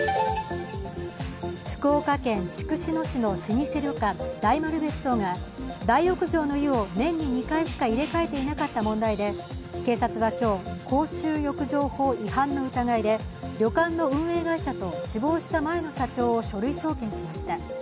福岡県筑紫野市の老舗旅館大丸別荘が大浴場の湯を年に２回しか入れ替えていなかった問題で警察は今日公衆浴場法違反の疑いで旅館の運営会社と死亡した前の社長を書類送検しました。